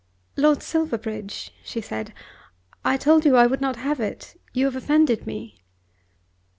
"Lord Silverbridge," she said, "I told you I would not have it. You have offended me."